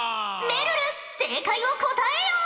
めるる正解を答えよ！